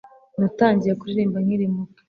Natangiye kuririmba nkiri muto